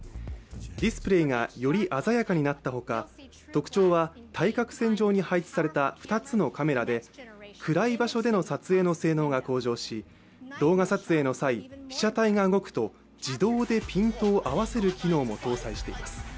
ディスプレーがより鮮やかになったほか、特徴は、対角線上に配置された２つのカメラで暗い場所での撮影の性能が向上し、動画撮影の際、被写体が動くと自動でピントを合わせる機能も搭載しています。